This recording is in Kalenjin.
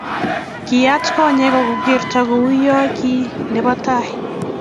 Kiyat konyek akokerto kouyo ki nebo tai